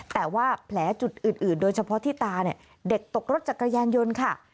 แต่ว่าแผลจุดอื่นโดยเฉพาะที่ตาเนี่ยเด็กตกรถจักรยานยนต์ค่ะ